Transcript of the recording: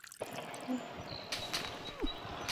姆克瓦瓦的赫赫族首领。